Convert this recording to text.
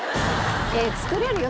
作れるよ？